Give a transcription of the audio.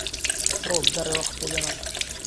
بڕۆ بگهڕيوه قسەی لێ مهکه